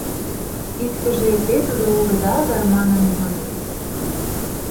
Иктыже «Те тудо огыдал дыр?» манын йодо.